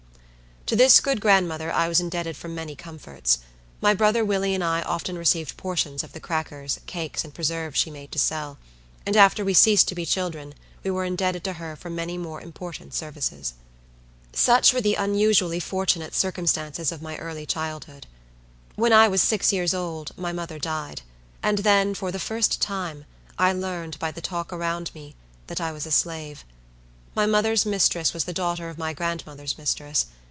To this good grandmother I was indebted for many comforts. My brother Willie and I often received portions of the crackers, cakes, and preserves, she made to sell; and after we ceased to be children we were indebted to her for many more important services. Such were the unusually fortunate circumstances of my early childhood. When I was six years old, my mother died; and then, for the first time, I learned, by the talk around me, that I was a slave. My mother's mistress was the daughter of my grandmother's mistress.